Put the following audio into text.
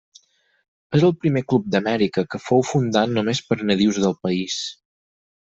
És el primer club d'Amèrica que fou fundat només per nadius del país.